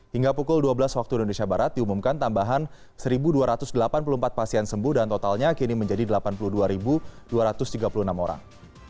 hingga pukul dua belas waktu indonesia barat diumumkan tambahan satu dua ratus delapan puluh empat pasien sembuh dan totalnya kini menjadi delapan puluh dua dua ratus tiga puluh enam orang